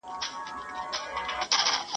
¬ بد مه کوه، بد به نه در رسېږي.